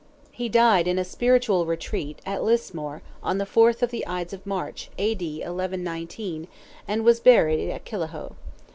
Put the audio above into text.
He died in a spiritual retreat, at Lismore, on the 4th of the Ides of March, A.D. 1119, and was buried at Killaloe.